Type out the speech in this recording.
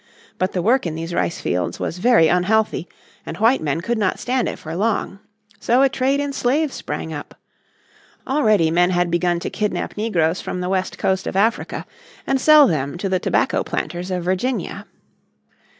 But the work in these rice fields was very unhealthy, and white men could not stand it for long. So a trade in slaves sprang up. Already men had begun to kidnap negroes from the West Coast of Africa and sell them to the tobacco planters of Virginia.